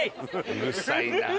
うるさいな。